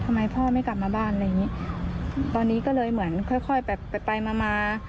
ทำไมพ่อไม่กลับมาบ้านอะไรอย่างงี้ตอนนี้ก็เลยเหมือนค่อยค่อยแบบไปไปมามา